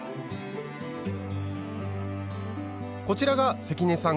こちらが関根さん